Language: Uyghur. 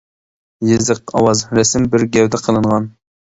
يېزىق، ئاۋاز، رەسىم بىر گەۋدە قىلىنغان.